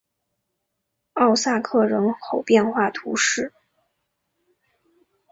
奥萨克人口变化图示